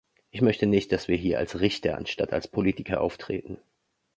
Ich möchte nicht, dass wir hier als Richter anstatt als Politiker auftreten.